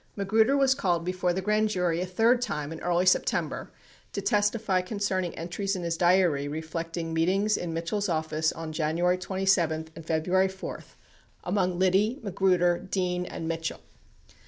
16 Magruder was called before the grand jury a third time in early September to testify concerning entries in his diary reflecting meet ings in Mitchell's office on January 27 and February 4 among Liddy, Magruder, Dean and Mitchell.